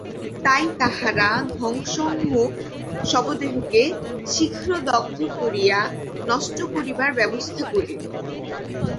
তাই তাহারা ধ্বংসোন্মুখ শবদেহকে শীঘ্র দগ্ধ করিয়া নষ্ট করিবার ব্যবস্থা করিল।